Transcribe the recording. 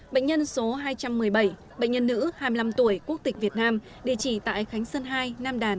bệnh nhân số hai trăm một mươi bảy bệnh nhân nữ hai mươi năm tuổi quốc tịch việt nam địa chỉ tại khánh sơn hai nam đàn